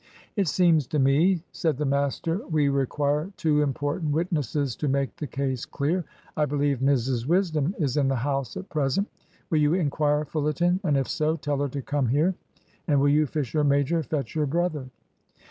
"It seems to me," said the master, "we require two important witnesses to make the case clear. I believe Mrs Wisdom is in the house at present. Will you inquire, Fullerton, and if so, tell her to come here? And will you, Fisher major, fetch your brother?"